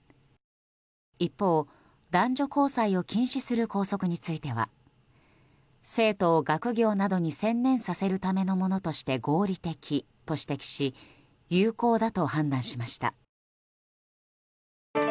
一方、男女交際を禁止する校則については生徒を学業などに専念させるためのものとして合理的と指摘し有効だと判断しました。